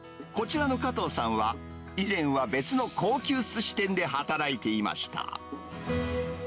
こちらの加藤さんは、以前は別の高級すし店で働いていました。